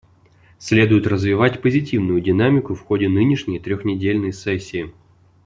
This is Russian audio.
Следует развивать позитивную динамику в ходе нынешней трехнедельной сессии.